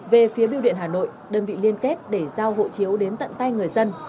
về phía biêu điện hà nội đơn vị liên kết để giao hộ chiếu đến tận tay người dân